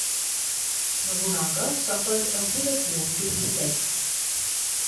Nobunaga suffered a bullet wound to his leg.